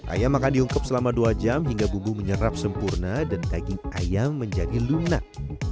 ayam akan diungkep selama dua jam hingga bumbu menyerap sempurna dan daging ayam menjadi lunak